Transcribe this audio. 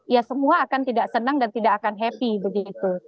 ya semua akan tidak senang dan tidak akan happy begitu